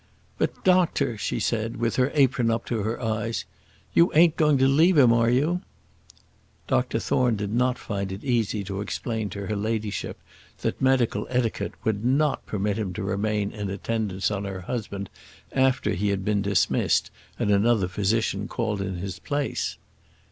"But, doctor," she said, with her apron up to her eyes, "you ain't going to leave him, are you?" Dr Thorne did not find it easy to explain to her ladyship that medical etiquette would not permit him to remain in attendance on her husband after he had been dismissed and another physician called in his place.